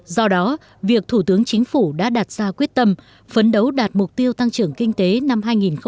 do đó việc thủ tướng chính phủ đã đặt ra quyết tâm phấn đấu đạt mục tiêu tăng trưởng kinh tế năm hai nghìn hai mươi